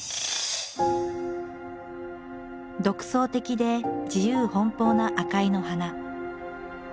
独創的で自由奔放な赤井の花。